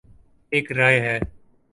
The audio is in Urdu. ایک رائے ہے